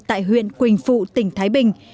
tại huyện quỳnh phụ tỉnh thái bình